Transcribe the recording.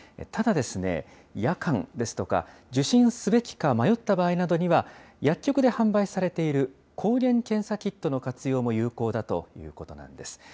ただ、夜間ですとか、受診すべきか迷った場合などには、薬局で販売されている抗原検査キットの活用も有効だということなんです。